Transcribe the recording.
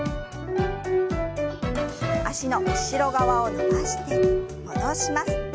脚の後ろ側を伸ばして戻します。